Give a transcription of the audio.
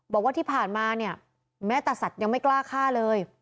บอกว่าที่ผ่านมาเนี่ยแม้ตาสัตว์ยังไม่กล้าฆ่าเลย